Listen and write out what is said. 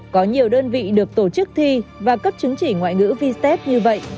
có nhiều đơn vị được tổ chức thi và cấp chứng chỉ ngoại ngữ vstep như vậy